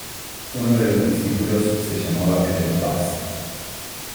Uno de los discípulos se llamaba Cleofás.